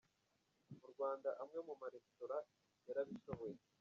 Mu Rwanda amwe mu marestaurant yarabishoboye.